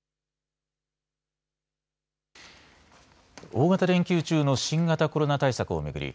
大型連休中の新型コロナ対策を巡り